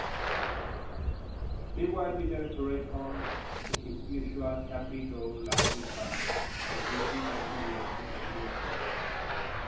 Meanwhile Peter hurried on in his usual happy go lucky fashion until he came to the edge of the Green Forest.